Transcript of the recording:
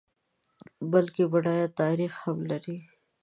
بلکه بډایه تاریخ هم لري.